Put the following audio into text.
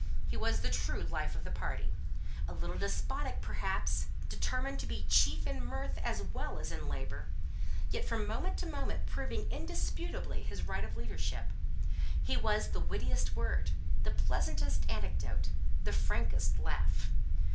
He was the true life of the party; a little despotic, perhaps, determined to be chief in mirth, as well as in labour, yet from moment to moment proving indisputably his right of leadership. His was the wittiest word, the pleasantest anecdote, the frankest laugh.